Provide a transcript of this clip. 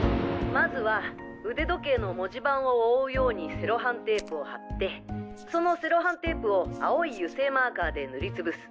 まずは腕時計の文字盤を覆うようにセロハンテープを貼ってそのセロハンテープを青い油性マーカーで塗りつぶす。